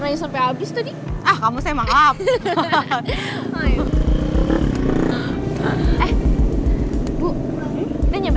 jangan dateng keki